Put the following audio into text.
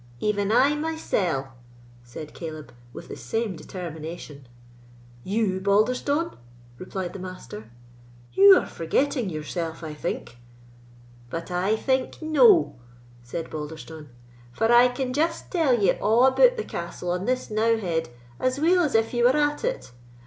"Even I mysell," said Caleb, with the same determination. "You, Balderstone!" replied the Master; "you are forgetting yourself, I think." "But I think no," said Balderstone; "for I can just tell ye a' about the castle on this knowe head as weel as if ye were at it.